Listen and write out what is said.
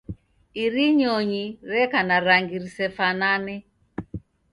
Iri nyonyi reka na rangi risefanane.